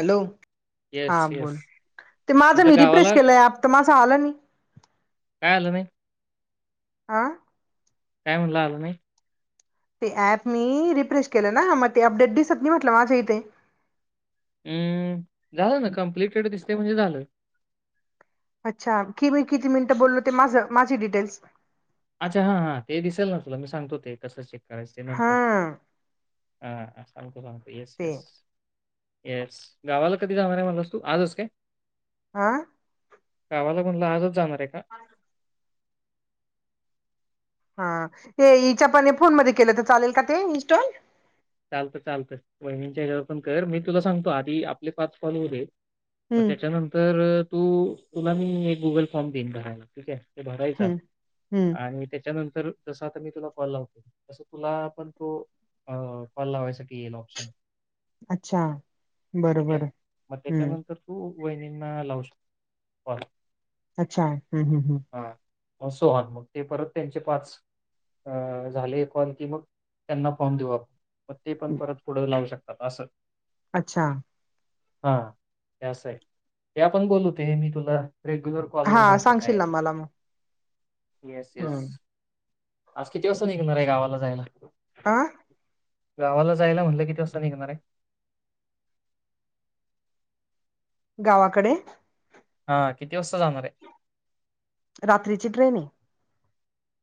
Hello, हा yes, बोल. Yes. ते माझं म्हटलं मी रिफ्रेश गावाला केलंय ॲप तर माझं आलं. काय आलं नाही? आं काय म्हणला आलं नाही. ते ॲप मी रिफ्रश केलं ना मग ते अपडेट दिसत नाही म्हटलं माझ्या इथे. हुं झालं ना कम्प्लीटेड दिसतय म्हणजे झालं. अच्छा, कि मी किती मिनिटं बोललो ते माझं माझी डिटेल्स अच्छा! हां हां ते दिसेल नां तुला मी सांगतो ते कसं चेक करायचं ते हा नंतर. [inaudible] हां हा हा सागंतो, सांगतो येस, ते येस! येस! गावाला कधी जाणार हाय म्हणलास तू आजच काय? आह गावाला म्हणल आजच जाणार आहे का? आजच. हां ए हिच्या पने फोन मध्ये केलं तर चालेल का? ते इनस्टॉल. चालतं, चालत वहीनीं हेजावर पण कर मी तुला सांगतो आधी आपले पाच काॅल हुऊदे. मग हम्म त्याच्यानंतर तू तुला मी एक गुगल फॉर्म देईन भरायला ठीक आहे. ते भरायचा हम्म हम्म आणि त्याच्यानंतर जस आता मी तुला कॉल लावतो, तस तुला पण तो अं कॉल लावायसाठी येईल ऑप्शन. अच्छा! ठीक आहे बरोबर मग हाय हुं. त्याच्यानंतर तू वैनीनां लावू शक [inaudible] काॅल. अच्छा! हुं हुं हुं हां, अस हाय मग ते परत त्यांचे पाच अं झाले कॉल की मग त्यांना फॉर्म देऊ आपण. मग ते पण हम्म परत पुढं लावू शकतात असं. अच्छा. हां हे असाय हे आपण बोल होते मी तुला रेग्युलर हा कॉलवर सांगतो काय सांगशील ना हायते. मला मग येस! येस! [inaudible] आज किती वाजता निघणार हाय गावाला जायला? आं गावाला जायला म्हटलं किती वाजता निघणारायं? गावाकडें हां किती वाजता जाणारये? रात्रीची ट्रेनयें.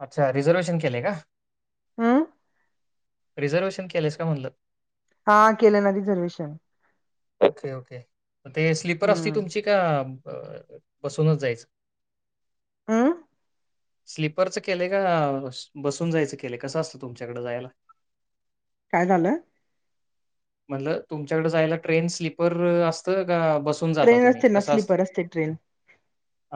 अच्छा! रिझर्वेशन केलय का? हम्म. रिझर्वेशन केलंस का म्हणलं? हां केलं ना रिझर्वेशन. ओके. ओके. मग ते स्लीपर असतीं हम्म तुमची का? [inaudible] अं बसूनच जायचं? अं स्लीपरचं केलंय का? बसून जायचं केलंय, कसं असतं तुमच्याकडें जायला? काय झालंय? म्हणलं तुमच्याकडे जायला ट्रेन स्लीपर असतं का? बस- कुठूण जाता ट्रेन तुम्ही? असते ना कस असतं? स्लीपर असते ट्रेन.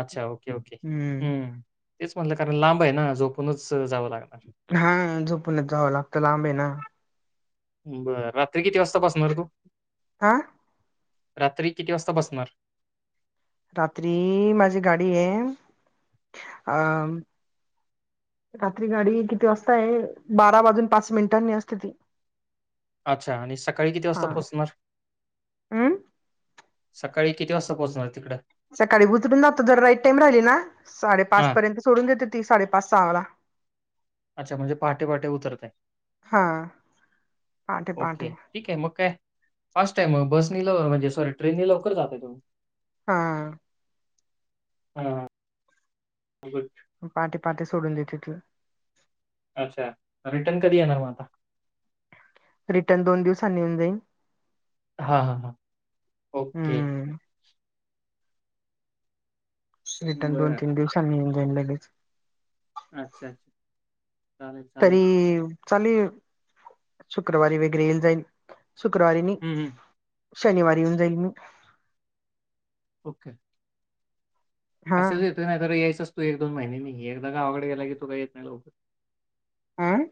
अच्छा! ओके! ओके्! हम्म हुं. तेच म्हणलं, कारण लांबयेनां झोपूनच जावं लागणार. हाः झोपूनच जावं लागतं लांबयेंना नां. बरं रात्री किती वाजता बसणार तू? हां- रात्री किती वाजता बसणार. रात्री माझी गाडी आहे अ रात्री गाडी किती वा असताय बारा वाजून पाच मिनिटांनी असते ती अच्छा आणि सकाळी किती वाजता पोहोचणार. आं. सकाळी किती वाजता पोहचणार तिकड. सकाळी उतरून जातो ज राईट टाइम राहिली ना. साडेपाच हां. पर्यंत सोडून देते ती साडेपाच सहावाला टे पाटे उतरत हा पहाटे पहाटे ओके. ठीक आहे मग काय फास्ट टाईम मग बसनी लव म्हणजे सॉरी ट्रेनने लवकर जाताय तुही? हा. हां. हो. पाटे पाटे सोडून देते तलं. अच्छा! रिटर्न कधी येणार मग आता? रिटर्न दोन दिवसांनी येऊन जाईन. हां हां हां ओके! हम्म रिटर्न दोन, बरं तीन दिवसांनी येऊन जाईन लगेच. अच्छा अच्छा चालेल चालेल तरी- चाले शुक्रवारी वेगळेे येईल जाईल शुक्रवारी नि हम्म, हम्म. शनिवारी येऊन जाईल मी ओके. हा कसेच येत नाही तर यायचस तू एक दोन महिने मी एकदा गावाकडे गेला की तू का येत नाही लवकर आ.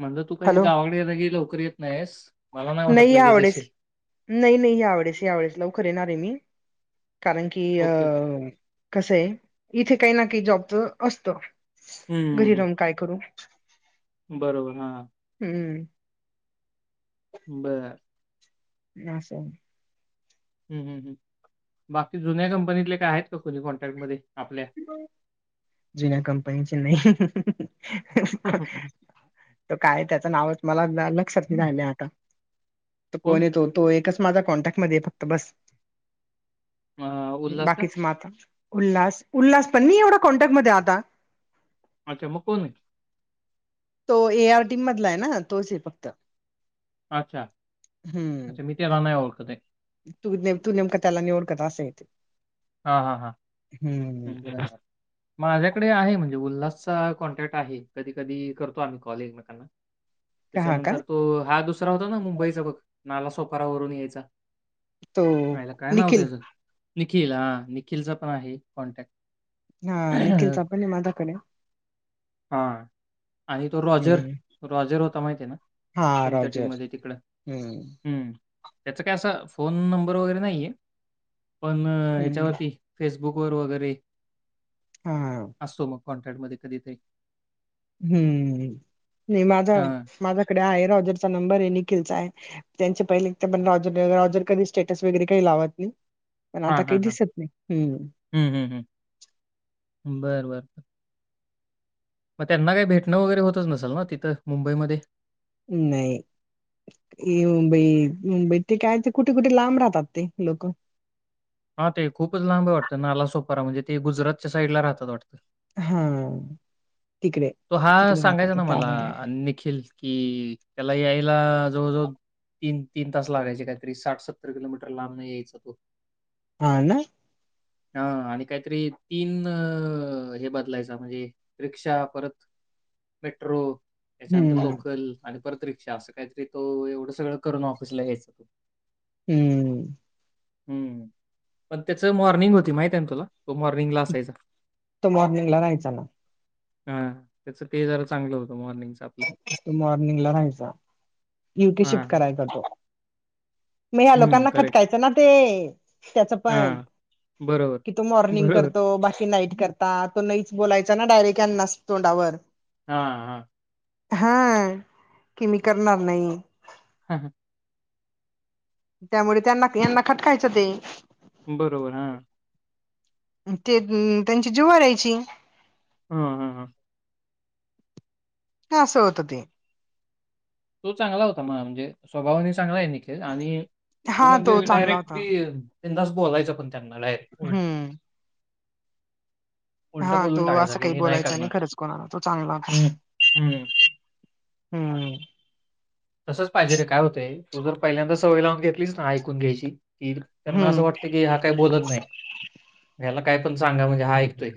म्हणज तू काही हॅलो गावाड ये की लोकररी येत नाहीस. मला वाटत नाही लगेच यावडेस येशील नाही नाही यावस यावेस लवकर येणार आहे मी कारण की- कि ओके अ कस आहे इथे काही ना काही जॉबच असत. हम्म, घरी हम्म, राहून काय करू. बरोबर हा. हम्म. [unintelligible] ना सो. हम् हम् ह बाकी जुन्या कंपनीतले काय आहेत का कोुणी कॉन्ट्रॅक्ट मध्ये आपल्या जुन्या कंपनी चेन नाहीई. त काय त्याचं नावच मला लक्षात नाही राहिलं आता त कोण कोणी येतो तो एकच माझा कॉन्टॅक्टमध्येध्ये फक्त बस. अं, उल्हास का बाकीच माता उल्हास उल्हास पण म एवढा कॉन्टॅक्ट मध्ये आता अच्छा मुकून तो ए आर टीम मधला आहे ना तोच आहे फक्त अच्छा हम्म अच्छा मटे राांना आहे लते. तू तू नेमकं त्याला निवड कर असं येते. हा हा हा. हम्म माझ्याकडे आहे म्हणजे उल्हास चा कॉन्टॅक्ट आहे कधी कधी करतो आम्ही कॉलेजमेकां [unintelligible] का हा का त्याच्यानंतर तो हा दुसरा होता ना मुंबईचा बघ नालासोफारावररून यायचा. तो ला काय नाव निखिल त्याचं निखिल हा निखिलच पण आहे कॉन्टॅक्ट हा निखिलचा पण माझ्याकडे हा आणि तो रॉजर हम्म रॉजर होता माहिती आहे ना. हा तुमच्या रॉजर टीममध्येध्ये तिकडं हम्म हम्म. त्याचा काय अस फोन नंबर वगैरे नाहीय पण हम्म हच्यावरती फेसबुक र वगैरे हा असतो मग कॉन्ट्रॅक्ट म कधीतरी हम्म नाही माझा हां माझ्याकडे आहे रॉजरचा नंबर आहे निखिलचा आहे. त्यांचे पहिले पण रॉॉर कधी स्टेटस वगैरे काही लावत नाही. पण आता काही दिसत नाही हम्म. हम्म हम् हम् बर बर ब मग त्यांना काही भेटणं वगैरे होतच नसेल ना तिथं मुंबईमध्ये नाही मुंबई मुंबईत ते काय ते कुठे कुठे लांब राहतात ते लोक हा ते खूपच लांब वाटतं नाला सोपारा म्हणजे ते गुजरातच्या साईड ला राहतात वाटतं. हा तिकडे तो हा तिकडे सांगायचा राहतात ना त्या मला लाईनला निखिल कि त्याला यायला जवळ जवळ तीन तीन तास लागायचे काहीतरी साठ सत्तर किलोमीटर लांब नाही यायचा तो हा ना हा आणि काहीतरी तीन हे बदलायच म्हणजे रिक्षा परत मेट्रो त्याच्यानंतर हम्म लोकल. आणि परत रिक्षा असं काहीतरी तो एवढं सगळं करून ऑफिसला यायचं तो हम्म. हम्म पण त्याच मॉर्निंग होती माहित आहे ना तुला? तो मॉर्निंगला असायचा. तो मॉर्निंगला राहायचा ना हा त्याच ते जरा चांगलं होतं मॉर्निंग मॉर्निंग ला रायस युटी शिफ्ट हां. करायचातो मग ह्या हं, लोकांना करेक्ट. खटकायचं ना ते त्याच पण हां, बरोबर. की तू मॉर्निंग बरोबर. करतो बाकी नाईट करतो. आता तो नाहीच बोलायचा ना डायरेक्टना तोंडावर हा हा हा कि म करणार नाही. हा हा त्यामुळे त्यांना यांना खटकायचं ते बरोबर हा ते त्यांची जुवर राहायची. हां हां हां हा सं होत ते तो चांगला होता म म्हणजे स्वभावानी चांगला आहे निखिल आणि तू हा म्हणजे तो चांगला डायरेक्ट होता बी तेंदाच बोलायचं पण त्यांनालाय हम्म [unintelligible] उलट हा बोलून तो टाकायच असं की काही मी नाही बोलायचा करणार खरंच कोणाला तो चांगला होता हम् हम्म [unintelligible] हम्म तसच पाहिजे रे काय होतय तू तर पहिल्यांदा सवय लावून घेतलीच ना ऐकून घ्यायची. कि त्यांना असं हम्म वाटत की हा काही बोलत नाही. या्याला काय पण सांगा म्हणजे हा ऐतोय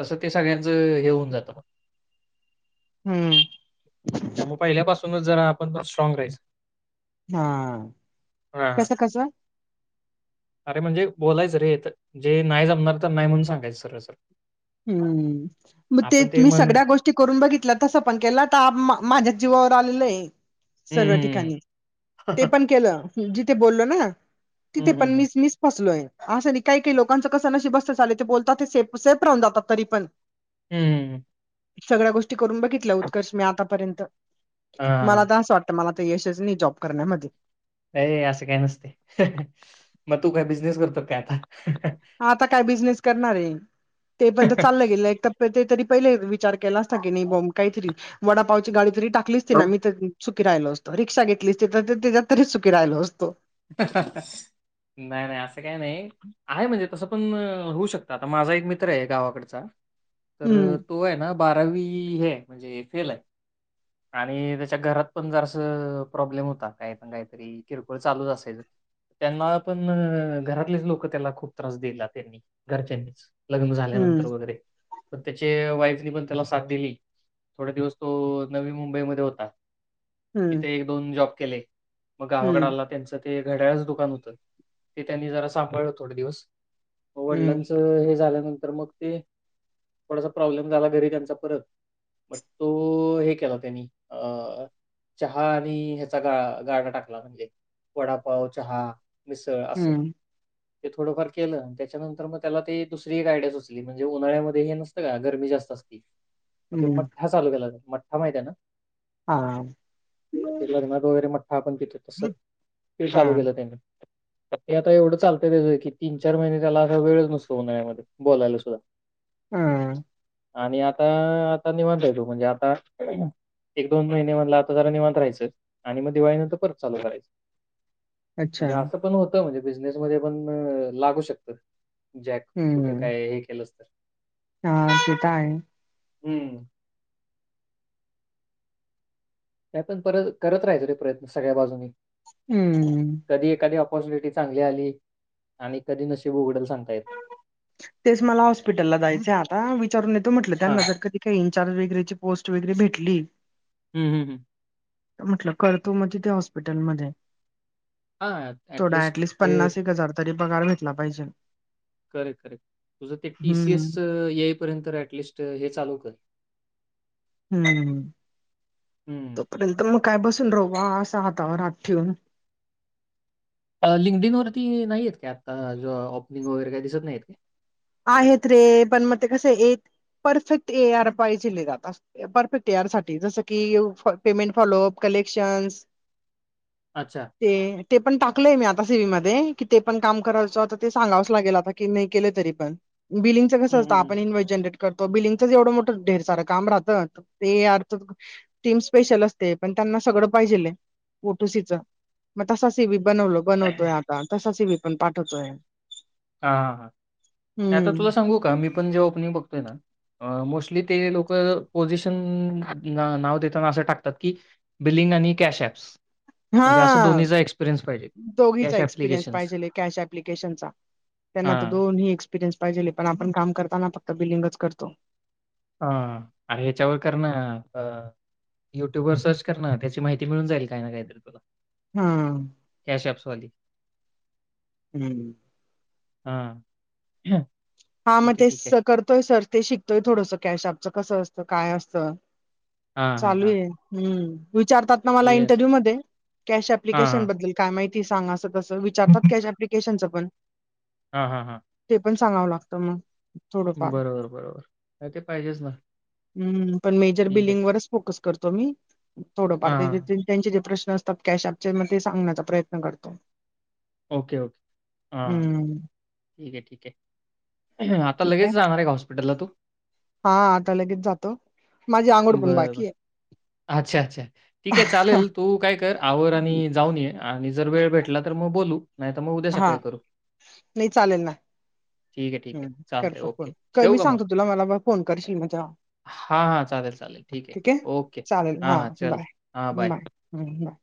तसं ते सगळ्यांचं हे होऊन जातं म [unintelligible] [unintelligible] हम्मं त्यामुळें पहिल्यांपासूनचं जरां आपणं स्ट्रॉंग राहायचं हां हां, हां. कसं कसं अरे म्हणजे बोलायचं रे तरं जे नाहीं जमणारं तरं नाहीं म्हणूंन सांगायचं सर सर हम्मं मंग ते मी सगळ्यां गोष्टीं करूंन बघितलं तसं पणं केलं तरं माझ्याचं जीवांवर आलेलं आहे सर्व हं, ठिकाणीं ते पणं केलं जिथे बोललं नां तिथे हं, हं, हं, पणं मी हं, हं, मिस फसलोयं असं नाहीं कांहीं कांहीं लोकांचं कसं नशीब बसतं ले ते बोलतातं ते से सेप राहूंन जातांत तरी पणं हम्मं सगळ्यां गोष्टी करूंन बघितल्यां उत्कर्ष मी आतांपर्यंत हां, मलां हां. आ तरं असं वाटतं मलां तंर यंशचं नाहीं जॉब करण्यांमध्ये अ असे कायं नस्ते मंग तूं कायं बिझनेस करतों कायं आतां आतां कायं बिझनेसं करणारं आहे ते पणं तरं चालेयं गेलं एक तरं ते तरी पहिले विचार केलां असतां की नाहीं बां कांहीतरी वडांपावची गांडी तरी टाकलीचं ती नां मी सुखीरांयलो असतो रिक्षां घेतली तरं ते त्यांच्या तरीचं चं सुखीरांयलो असतों हां- हां नाहीं नाहीं असं कांहीं नाहीं आहे म्हणजे तसं पणं अ होऊं शकतं आतां माझां एक मित्र आहे गांवाकडचां तरं हम्म तो आहे नां बारावी हे म्हणजे फेल आहे आणि त्यांच्या घरांत पणं जरं असं प्रॉब्लेम होतां कांहीं पणं कांहीतरी किरकोळ चालूंच असेलं त्यांनां पणं घरांतलेचं लोकं त्यांला खूंप त्रास दिलां त्यांनी घरच्यांनीचं लग्नं हम्म झाल्यानंतर वगैरें पणं त्यांचे वाईफनी पणं त्यांला सांथ दिली थोडं दिवसं तो नवी मुंबईमंध्ये होतां हम्म तेथे एक दोन जॉब केले मंग गावांकडे हम्म आलां त्यांचं ते घड्यांळचं दुकानं होत ते त्यांनी जरां सांभाळलं थोडे दिवसं हम्म वडिलांचं हे झाल्यांनंतर मंग हम्मं थोडांसा प्रॉब्लेम झालां घरी त्यांच्या परंत मंग तो केलां त्यांनी अ चहां आणि ह्यांचा गा गांरडा टाकलां म्हणजे वडांपाव चहां मिसंळ असं हम्म ते थोडंफार केलं आणि त्यांच्यानंतर मंग त्यांला ते दुसरी एक गयडिया सुचंली म्हणजे उन्हांळ्यांमध्ये हे नसं कां गर्मी जास्तं असतं मंग ते हम्म मठ्ठां चालूं केलायं मठ्ठां माहितं आहे नां हां लग्नांत वगैरें मठ्ठां आपणं तीथं तसं हा चालूं केलं त्यांनी आतां ते एवढं चालतंय त्याचं की तीन चार महिने त्यांला असां वेळचं नसतो उन्हांळ्यांमध्ये बोलां दूसर हम्मं आणि आतां आतां निवांत तूं म्हणजे आतां एक दोन महिने मधलं आतां जरां निवांत राहायचं आणि मंग दिवाळीनंतर परंत चालूं करायचं ह्या अच्छा म्हण असं पणं होतं म्हणजे बिझनेस मध्यें पणं लागूं शकते जॅक कुठं कायं हे केलंस तरं हां ते तरं आहे हम्मं ते पणं परंत करतं राहायचं रे प्रयंत्न सगळ्यां बाजूंनी हम्मं कधीं एखांदी ऑपॉर्च्युनिटी चांगली आली आणि कधीं नसेशी ब उघडं सांग तेचं मलां हॉस्पिटल लां जायचं आतां विचारूंन येतो म्हटलं हा त्यांनां जरं कधीं कांहीं इनचार्ज वगैरेंची पोस्ट वगैरें भेटली हम्मं हम्मं हम्मं म्हटलं करतों मंग तिथे हॉस्पिटलमंध्ये नाही हां थोडा ॲटलिस्ट ऍटलिस्ट ते पन्नास एक हजार तरी पगार भेटला पाहिजे. करेक्ट, करेक्ट तुझं ते टी, सी, एस हम्म. येईपर्यंत ऍटलिस्ट हे चालूकर. हम्म, हम्म हम्म. तोपर्यंत मग काय बसून राहू बा अस हातावर हात ठेवून. लिंगडिन वरती नाहीत का आता ज ओपनिंग वगैरे काय दिसत नाहीत. आहेत रे पण मग ते कस एक परफेक्ट ये, आर पाहीजेल हे आता. परफेक्ट ये, आर साठी जसं की पेमेंट फॉलोअप, कलेक्शन्स, अच्छा. ते, ते पण टाकलंय मी आता सीवी मध्ये कि ते पण काम करायचं ते सांगावंच लागेल आता की नाही केले तरी बिलीगच कस हम्म, आसत हम्म, आपण इनवे जनरेट करतो बिल्डिंगचच एवढं मोठं ढेर सारं काम राहतं ते अर्थ टीम स्पेशल असते पण त्यांना सगळं पाहिजेल पोटुसीच. मग तसा सि, बी बनवलो बनवतोय हम्म. आता तसा सि, बी पण पाठवतोय. हा, हा, हां आता तुला हम्म सांगू का मी पण जेव्हा ओपनिंग बघतोयना. अ मोस्टली ते लोक पोझिशन नाव देताना असं टाकतात की बिलिंग आणि कॅशएप्स. हा दोघीचा कॅश एक्सपिरियन्स ॲप्लिकेशन्स पाहिजेलय. कॅश एप्लीकेशन त्यांना तर हां दोन्ही एक्सपिरीयन्स पाहिजेल हे पण आपण काम करताना फक्त बिलिंगच करतो. ह अरे ह्याच्यावर करना अ युट्यूब वर सर्च करण त्याची माहिती मिळून जाईल काय ना, काय तरी तुला. हम्म. कॅश ॲप्स वाली. हम्म. हा आ हा मग तेच स करतोय सर ते शिकतोय थोडस कॅशएप्स कसं असतं काय असत हां हां चालू हां आहे. हम्म विचारतात ना मला येस इंटरव्ह्यू मध्ये कॅश हां एप्लीकेशन हां बद्दल. काय माहिती सांगा असं तस विचारतात कॅश एप्लीकेशन च पण. हां हां हां‌. ते पण सांगाव लागतं मग. थोडंफार बरोबर, बरोबर नाही ते पाहिजेच ना. हम्म पण मेजर ठीक आहे. बिल्डिंग वरच फोकस करतो मी थोडफार हां, हां. त्यांचे जे प्रश्न असतात कॅश ॲपचे म ते सांगण्याचा प्रयत्न करतो. ओके, ओके, हां. हम्म ठीक आहे ठीक आहे आता लगेच जाहणार आहे का हॉस्पिटलला तू? हा आता लगेच जातो. माझी आंघोळ बरं, पण बरं. बाकी आहे. अच्छा, अच्छा ठीक आहे चालेल तू काय कर आवर आणि जाऊन ये. आणि जर वेळ भेटला तर मग बोलू. नाहीतर मग उद्या हा सकाळी करू. नाही चालेल ना. ठीक आहे, ठीक आहे. हम्म चालतंय करतो ओके. फोन ठेवू मी सांगतो तुला मला फोन करशील जेव्हा. हा, हा, चालेल, चालेल ठीक आहे ओके हा, हा चल हा बाय. हम्म, हम्म.